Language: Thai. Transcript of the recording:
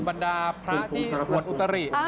บรรดาพระที่สรรพนธ์อุตริ